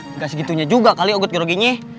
nggak segitunya juga kali ogot geroginya